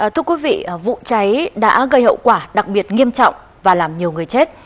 thưa quý vị vụ cháy đã gây hậu quả đặc biệt nghiêm trọng và làm nhiều người chết